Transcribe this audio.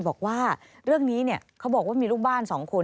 บอกว่าเรื่องนี้เขาบอกว่ามีลูกบ้าน๒คน